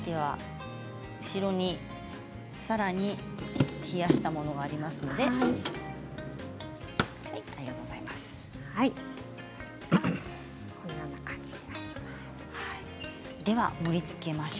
後ろに、さらに冷やしたものがありますのでこのような感じです。